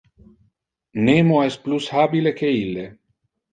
Nemo es plus habile que ille.